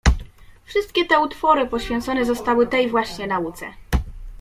"Wszystkie te utwory poświęcone zostały tej właśnie nauce."